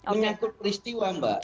menyangkut peristiwa mbak